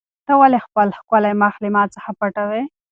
ته ولې خپل ښکلی مخ له ما څخه پټوې؟